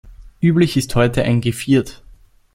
Üblich ist heute ein Geviert.